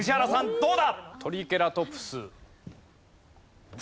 どうだ？